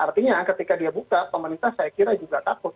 artinya ketika dia buka pemerintah saya kira juga takut